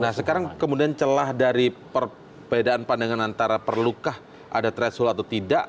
nah sekarang kemudian celah dari perbedaan pandangan antara perlukah ada threshold atau tidak